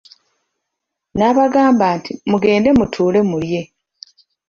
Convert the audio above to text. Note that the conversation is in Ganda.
N'abagamba nti, mugende mutuule mulye.